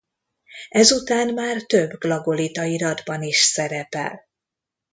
Ezután már több glagolita iratban is szerepel.